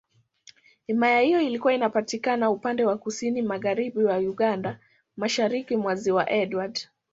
Himaya hiyo ilikuwa inapatikana upande wa Kusini Magharibi mwa Uganda, Mashariki mwa Ziwa Edward.